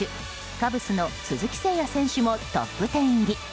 カブスの鈴木誠也選手もトップ１０入り。